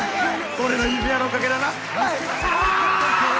俺の指輪のおかげだなはい！